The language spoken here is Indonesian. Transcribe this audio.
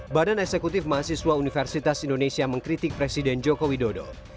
badan eksekutif mahasiswa universitas indonesia mengkritik presiden jokowi dodo